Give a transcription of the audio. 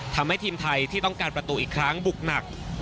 ทำให้ทีมไทยที่ต้องการประตูอีกครั้งบุกหนัก